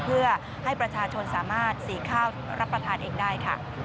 เพื่อให้ประชาชนสามารถสีข้าวรับประทานเองได้ค่ะ